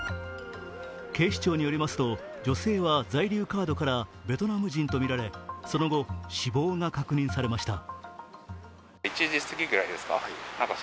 警視庁によりますと女性は在留カードからベトナム人とみられその後、死亡が確認されました。